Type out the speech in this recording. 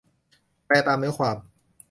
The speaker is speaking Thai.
แปลตามเนื้อความ